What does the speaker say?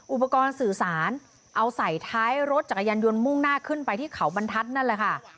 อุปกรณ์สื่อสารเอาใส่ท้ายรถจักรยานยนต์มุ่งหน้าขึ้นไปที่เขาบรรทัศน์นั่นแหละค่ะ